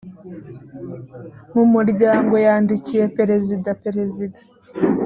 mumuryango yandikiye perezida perezida